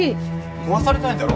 壊されたいんだろ？